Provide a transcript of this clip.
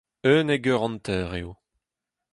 Unnek eur hanter eo.